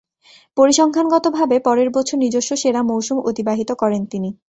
পরিসংখ্যানগতভাবে পরের বছর নিজস্ব সেরা মৌসুম অতিবাহিত করেন তিনি।